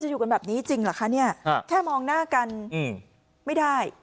อยู่กันแบบนี้จริงเหรอคะเนี่ยแค่มองหน้ากันไม่ได้